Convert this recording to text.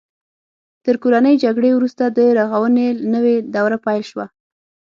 تر کورنۍ جګړې وروسته د رغونې نوې دوره پیل شوه.